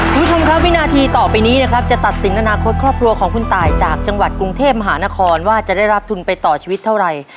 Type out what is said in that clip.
คุณผู้ชมครับวินาทีต่อไปนี้นะครับจะตัดสินอนาคตครอบครัวของคุณตายจากจังหวัดกรุงเทพมหานครว่าจะได้รับทุนไปต่อชีวิตเท่าไหร่